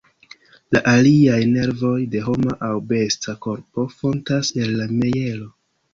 La aliaj nervoj de homa aŭ besta korpo fontas el la mjelo.